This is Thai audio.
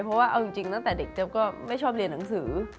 เพราะว่าเอาจริงตั้งแต่เด็กเจ๊บก็ไม่ชอบเรียนหนังสือ